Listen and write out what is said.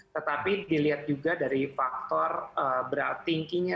tetapi dilihat juga dari faktor berat thinkingnya